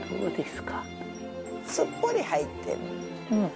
すっぽり入ってるうん。